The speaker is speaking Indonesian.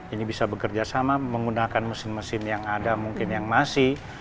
ini bisa bekerja sama menggunakan mesin mesin yang ada mungkin yang masih